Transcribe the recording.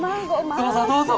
どうぞどうぞ！